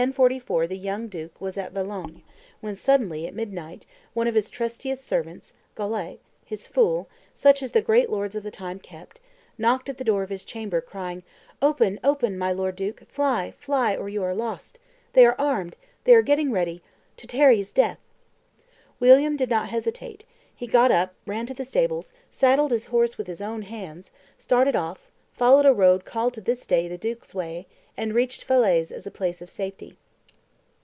In 1044 the young duke was at Valognes; when suddenly, at midnight, one of his trustiest servants, Golet, his fool, such as the great lords of the time kept, knocked at the door of his chamber, crying, "Open, open, my lord duke: fly, fly, or you are lost. They are armed, they are getting ready; to tarry is death." William did not hesitate; he got up, ran to the stables, saddled his horse with his own hands, started off, followed a road called to this day the duke's way, and reached Falaise as a place of safety.